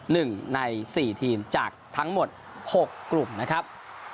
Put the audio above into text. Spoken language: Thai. หนึ่งในสี่ทีมจากทั้งหมดหกกลุ่มนะครับ